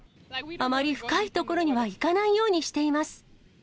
あまり深い所には行かないようにしています。